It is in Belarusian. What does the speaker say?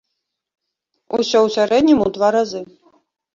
Усё ў сярэднім у два разы.